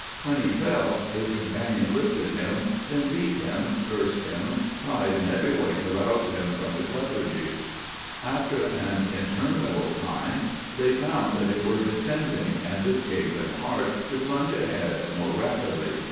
When he fell his companion lifted him, then beat him, cursed him, tried in every way to rouse him from his lethargy. After an interminable time they found they were descending and this gave them heart to plunge ahead more rapidly.